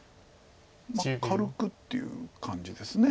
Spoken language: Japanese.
まあ軽くっていう感じです。